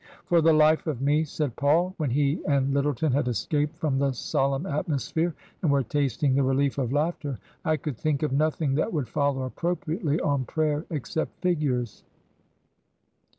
" For the life of me," said Paul, when he and L)^eton had escaped from the solemn atmosphere and were tasting the relief of laughter, " I could think of nothing that would follow appropriately on prayer except figures."